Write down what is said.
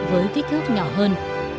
với kích thước nhỏ hơn